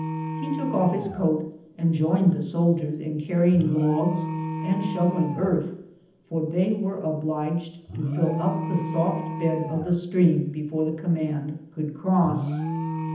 He took off his coat and joined the soldiers in carry ing logs and shovelling earth, for they were obliged to fill up the soft bed of tlie stream before the command could cross.